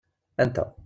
Anta?